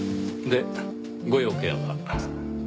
でご用件は？